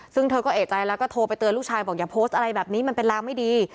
ซึ่งเธอก็เอกใจแล้วก็โทรไปเตือนลูกชายบอกอย่าโพสต์อะไรแบบนี้มันเป็นรางไม่ดี